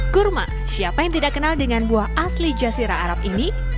kurma siapa yang tidak kenal dengan buah asli jasira arab ini